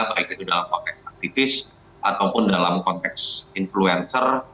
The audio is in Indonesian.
baik itu dalam konteks aktivis ataupun dalam konteks influencer